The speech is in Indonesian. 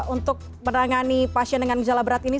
untuk menangani pasien dengan gejala berat ini